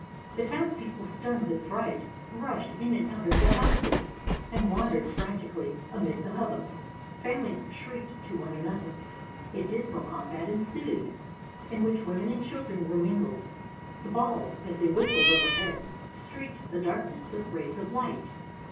The townspeople, stunned with fright, rushed in and out of their houses, and wandered frantically amid the hubbub. Families shrieked to one another. A dismal combat ensued, in which women and children were mingled. The balls, as they whistled overhead, streaked the darkness with rays of light.